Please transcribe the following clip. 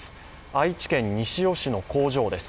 愛知県西尾市の工場です。